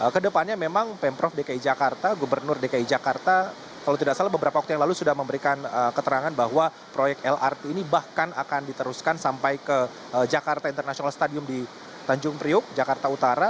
kedepannya memang pemprov dki jakarta gubernur dki jakarta kalau tidak salah beberapa waktu yang lalu sudah memberikan keterangan bahwa proyek lrt ini bahkan akan diteruskan sampai ke jakarta international stadium di tanjung priuk jakarta utara